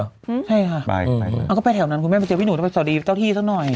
ใช่ค่ะก็ไปแถวนั้นคุณแม่ไปเจอพี่หนูต้องไปสวัสดีเจ้าที่ซะหน่อย